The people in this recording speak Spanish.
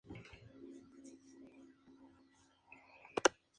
Cuenta con cuatro vías y dos andenes uno lateral y otro central.